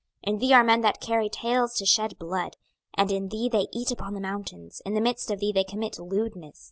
26:022:009 In thee are men that carry tales to shed blood: and in thee they eat upon the mountains: in the midst of thee they commit lewdness.